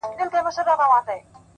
چپ سه چـــپ ســــه نور مــه ژاړه ـ